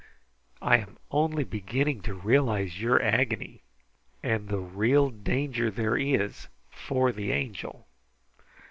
I am only beginning to realize your agony, and the real danger there is for the Angel.